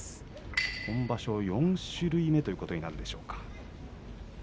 今場所、４種類目ということになるでしょうか。